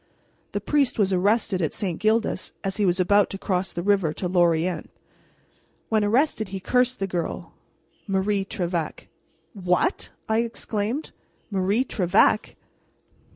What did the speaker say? The priest was arrested at St. Gildas as he was about to cross the river to Lorient. When arrested he cursed the girl, Marie Trevec " "What!" I exclaimed, "Marie Trevec!"